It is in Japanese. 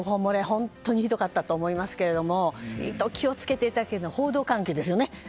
本当にひどかったと思いますけど気を付けたいただきたいのは報道関係ですよね。